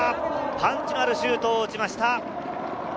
パンチのあるシュートを打ちました。